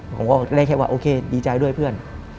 ผมก็ได้แค่ว่าโอเคดีใจด้วยเพื่อน